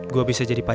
gue bisa jadi pembantu